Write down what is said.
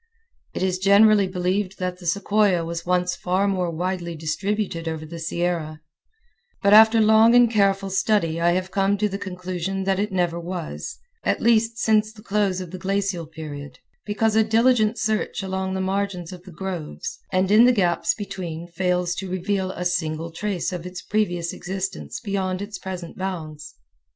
It is generally believed that the sequoia was once far more widely distributed over the Sierra; but after long and careful study I have come to the conclusion that it never was, at least since the close of the glacial period, because a diligent search along the margins of the groves, and in the gaps between fails to reveal a single trace of its previous existence beyond its present bounds.